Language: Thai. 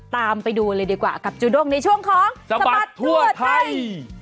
ตามไปดูเลยดีกว่ากับจูด้งในช่วงของสบัดทั่วไทย